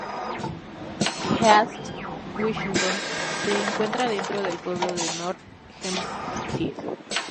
East Williston se encuentra dentro del pueblo de North Hempstead.